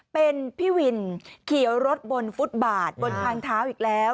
เป็นพี่วินขี่รถบนฟุตบาทบนทางเท้าอีกแล้ว